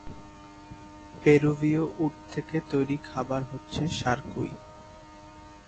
পেরুভীয় উট থেকে তৈরী খাবার হচ্ছে শারকুই।